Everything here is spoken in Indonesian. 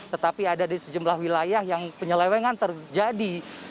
tetapi ada di sejumlah wilayah yang penyelewengan terjadi